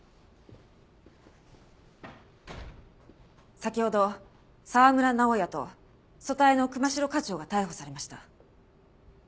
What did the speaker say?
先ほど沢村直哉と組対の神代課長が逮捕されました。